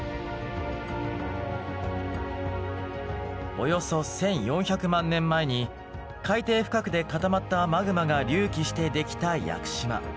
およそ１，４００万年前に海底深くで固まったマグマが隆起してできた屋久島。